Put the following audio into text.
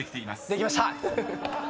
できました。